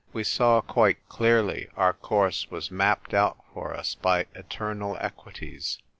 We saw quite clearly our course was mapped out for us by eternal equities.